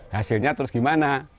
nah hasilnya terus bagaimana